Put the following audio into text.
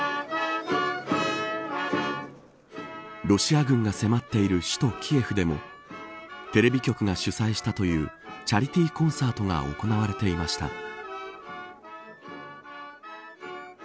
ロシア軍が迫っている首都キエフでもテレビ局が取材したというチャリティーコンサートが行われていました。